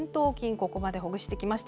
ここまでほぐしてきました。